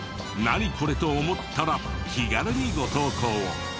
「ナニコレ？」と思ったら気軽にご投稿を。